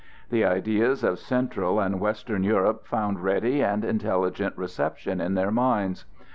The ideas of central and western Europe found ready and intelligent reception in their minds.